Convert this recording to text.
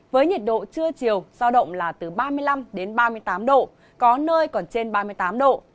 với nhiệt độ trưa chiều giao động là từ ba mươi năm đến ba mươi tám độ có nơi còn trên ba mươi tám độ